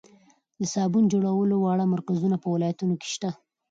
د صابون جوړولو واړه مرکزونه په ولایتونو کې شته.